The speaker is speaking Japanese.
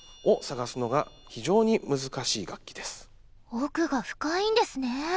奥が深いんですね。